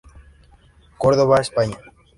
Córdoba, España.